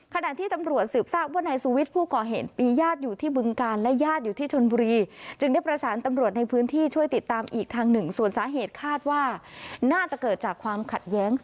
ค่ะที่ตำลวดสืบทรากว่าในผู้ก่อเห็นปี